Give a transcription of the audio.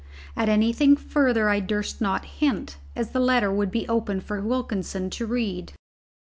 At anything further I durst not hint, as the letter would be open for Wilkinson to read.